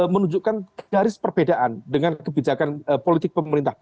menunjukkan garis perbedaan dengan kebijakan politik pemerintah